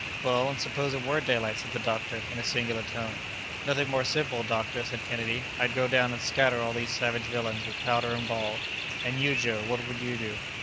"Well, and suppose it were daylight?" said the doctor, in a singular tone. "Nothing more simple, doctor," said Kennedy. "I'd go down and scatter all these savage villains with powder and ball!" "And you, Joe, what would you do?"